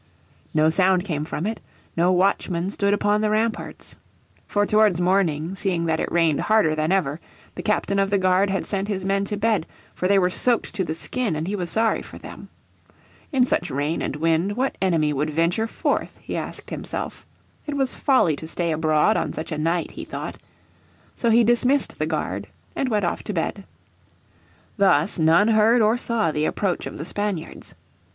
No sound came from it, no watchman stood upon the ramparts. For towards morning, seeing that it rained harder than ever, the captain of the guard had sent his men to bed, for they were soaked to the skin and he was sorry for them. In such rain and wind what enemy would venture forth? he asked himself. It was folly to stay abroad on such a night he thought. So he dismissed the guard, and went off to bed. Thus none heard or saw the approach of the Spaniards.